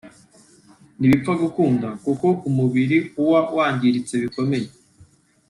ntibipfa gukunda kuko umubiri uwa warangiritse bikomeye